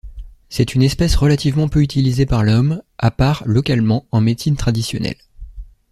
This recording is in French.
C'est une espèce relativement peu utilisée par l'Homme, à part, localement, en médecine traditionnelle.